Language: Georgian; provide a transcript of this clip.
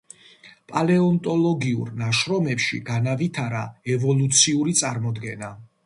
პალეონტოლოგიურ ნაშრომებში განავითარა ევოლუციური წარმოდგენა.